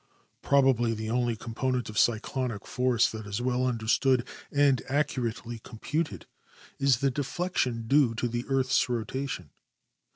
Probably the only component of cyclonic force that is well understood and accu rately computed is the deflection due to the earth's rotation.